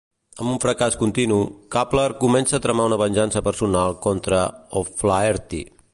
Amb un fracàs continu, Kappler comença a tramar una venjança personal contra O'Flaherty.